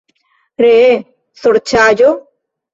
Ree sorĉaĵo?